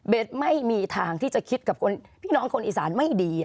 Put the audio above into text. ไม่มีทางที่จะคิดกับพี่น้องคนอีสานไม่ดี